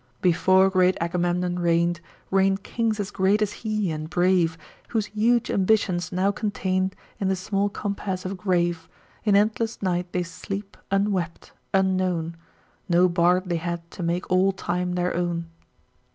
Before great Agamemnon reign'd, Reign'd kings as great as he, and brave, Whose huge ambition's now contain'd In the small compass of a grave: In endless night, they sleep, unwept, unknown, No bard they had to make all time their own.